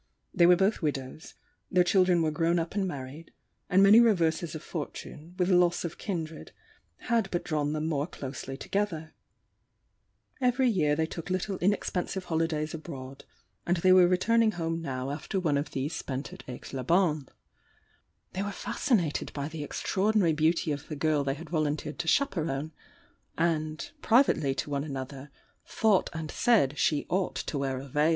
They were both widows; their children were grown up and married, and many reverses of fortune, with loss of kindred, had but drawn them more closely together. Every year they took little inexpensive holidays ab' oad, and they were returning home now after one of these ■If HI hi ^H.'l ■ 1 ■_'.■^^^^ t ^vi ''■ ^^^^R? ^^'"^'^ i 884 THE YOUNG DIANA spent at Aix les Bains. They were fascinated by the extraordinary beauty of the girl they had vol unteered to chaperon, and, privately to one another, thought and said she ought to wear a veU.